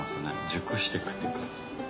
熟してくっていうか。